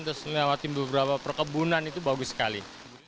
terus melewati beberapa perkebunan itu bagus sekali